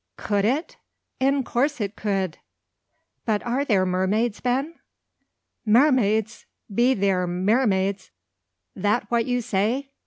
"Could it? In course it could." "But are there mermaids, Ben?" "Maremaids! Be theer maremaids? That what you say?